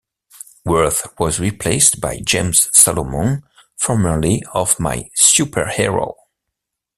Worth was replaced by James Salomone, formerly of My Superhero.